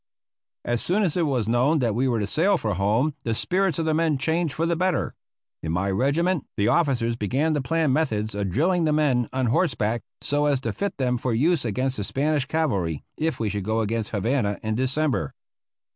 As soon as it was known that we were to sail for home the spirits of the men changed for the better. In my regiment the officers began to plan methods of drilling the men on horseback, so as to fit them for use against the Spanish cavalry, if we should go against Havana in December.